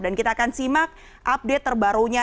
dan kita akan simak update terbarunya